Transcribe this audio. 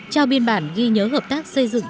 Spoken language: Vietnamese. trao biên bản ghi nhớ hợp tác xây dựng